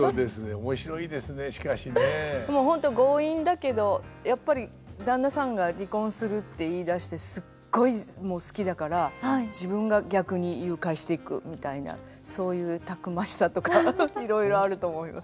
もうホント強引だけどやっぱり旦那さんが離婚するって言いだしてすっごい好きだから自分が逆に誘拐していくみたいなそういうたくましさとかいろいろあると思います。